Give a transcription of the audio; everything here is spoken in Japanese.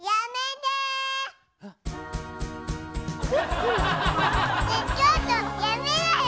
ねえちょっとやめなよ！